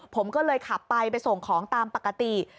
ผมก็เลยขับไปไปส่งของตามปกติ